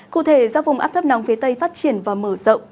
cụ thể do vùng áp thấp nóng phía tây phát triển và mở rộng